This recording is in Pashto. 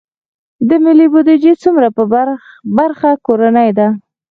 د ملي بودیجې څومره برخه کورنۍ ده؟